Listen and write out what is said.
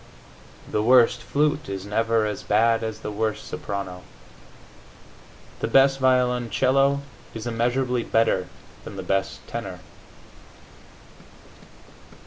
The worst flute is never as bad as the worst soprano. The best violoncello is immeasurably better than the best tenor.